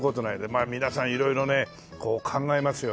まあ皆さん色々ねこう考えますよね。